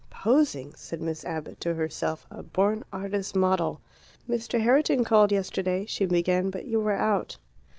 "Posing!" said Miss Abbott to herself. "A born artist's model." "Mr. Herriton called yesterday," she began, "but you were out."